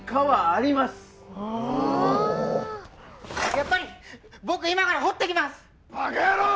やっぱり僕今から掘ってきますバカヤロー！